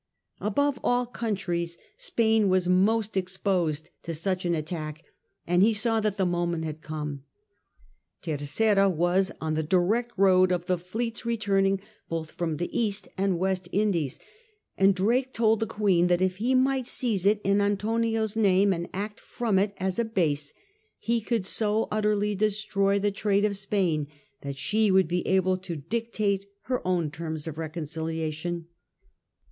Above all countries Spain was most exposed to such an attack, and he saw that the moment had come. Terceira was on the direct road of the fleets returning both from the East and "West Indies, and Drake told the Queen if he might seize it in Antonio's name and act from it as a base, he could so utterly destroy the trade of Spain that she would be able to dictate her own terms of reconcihation.